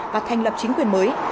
và thành lập chính quyền mới